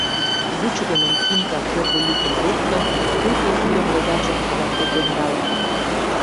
Вучыдымын Тимка кӧргӧ йӱкым лукто, пуйто тудын логаржым ала-кӧ темдалын.